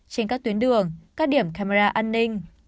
trên các tuyến đường các điểm camera an ninh